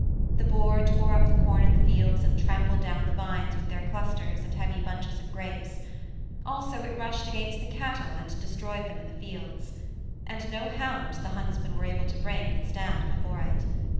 The boar tore up the corn in the fields and trampled down the vines with their clusters and heavy bunches of grapes; also it rushed against the cattle and destroyed them in the fields. And no hounds the huntsmen were able to bring could stand before it.